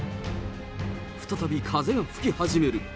再び風が吹き始める。